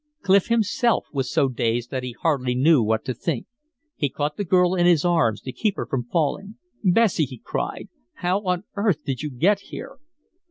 Clif himself was so dazed that he hardly knew what to think. He caught the girl in his arms to keep her from falling. "Bessie," he cried, "how on earth did you get here?"